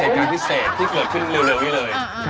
เหตุการณ์พิเศษที่เกิดขึ้นเร็วนี้เลย